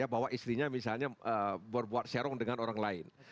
nah istrinya misalnya berbuat serong dengan orang lain